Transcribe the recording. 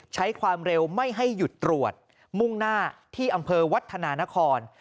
ใช้ความเร็วไม่ให้หยุดตรวจมุ่งหน้าที่อำเภอวัฒนานคร